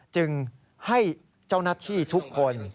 จึงให้เจ้าหน้าที่ทุกคน